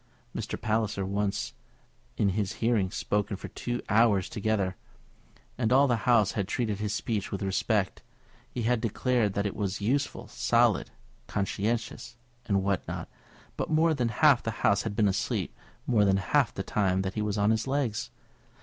Mr. Palliser had once, in his hearing, spoken for two hours together, and all the House had treated his speech with respect, had declared that it was useful, solid, conscientious, and what not; but more than half the House had been asleep more than half the time that he was on his legs.